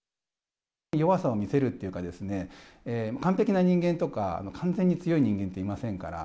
弱さを見せるっていうか、完璧な人間とか、完全に強い人間っていませんから。